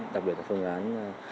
đặc biệt là phương án